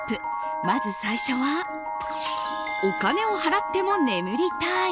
まず最初はお金を払っても眠りたい！